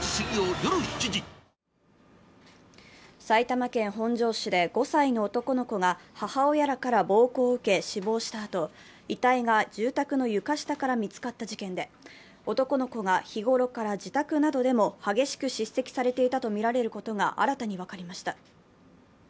埼玉県本庄市で５歳の男の子が母親らから暴行を受け、死亡したあと、遺体が住宅の床下から見つかった事件で男の子が日頃から自宅などでも激しく叱責されていたとみられることが新たに分かりました。